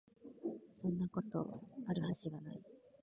そんなこと、有る筈が無い